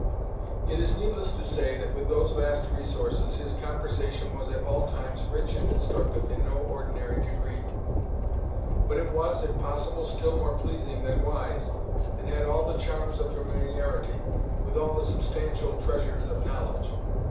It is needless to say, that, with those vast resources, his conversation was at all times rich and instructive in no ordinary degree; but it was, if possible, still more pleasing than wise, and had all the charms of familiarity, with all the substantial treasures of knowledge.